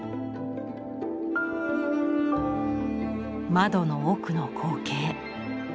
窓の奥の光景。